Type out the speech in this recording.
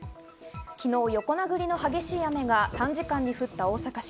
昨日、横殴りの激しい雨が短時間に降った大阪市。